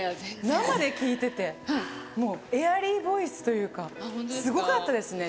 生で聴いてて、エアリーボイスというか、すごかったですね。